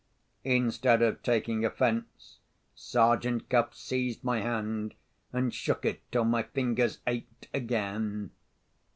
Instead of taking offence, Sergeant Cuff seized my hand, and shook it till my fingers ached again.